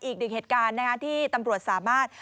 อีกหนึ่งเหตุการณ์ที่ตำรวจสามารถ